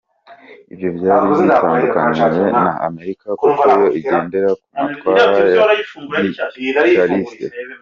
Ibyo byari biyitandukanyije na Amerika kuko yo igendera ku matwara ya gicapitaliste.